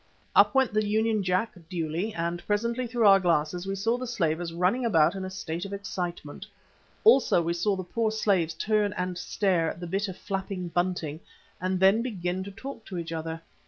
Up went the Union Jack duly, and presently through our glasses we saw the slavers running about in a state of excitement; also we saw the poor slaves turn and stare at the bit of flapping bunting and then begin to talk to each other.